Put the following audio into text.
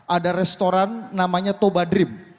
ada restoran namanya toba dream